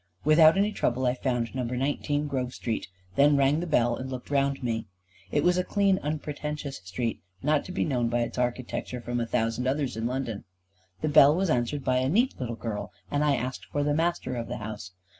Without any trouble, I found No. 19, Grove Street, then rang the bell and looked round me. It was a clean unpretentious street, not to be known by its architecture from a thousand others in London. The bell was answered by a neat little girl, and I asked for the Master of the house.